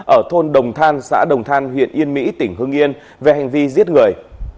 ở thôn đồng than xã đồng than huyện yên mỹ tỉnh hương yên về hành vi giết người